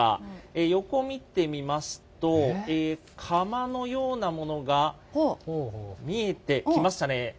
横見てみますと、釜のようなものが見えてきましたね。